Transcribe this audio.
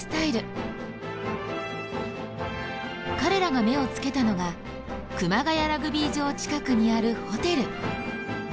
彼らが目をつけたのが熊谷ラグビー場近くにあるホテル。